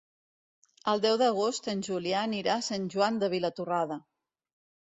El deu d'agost en Julià anirà a Sant Joan de Vilatorrada.